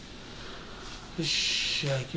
よし！